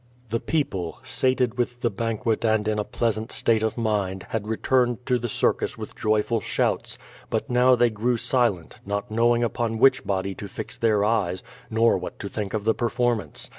The people, sated with the banquet and in a pleasant state of mind, had returned to the circus with joyful shouts; but now they grew silent, not knowing upon which body to fix their eyes, nor what to think of the performance.